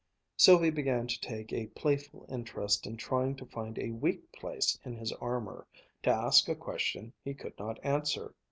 Sylvia began to take a playful interest in trying to find a weak place in his armor, to ask a question he could not answer.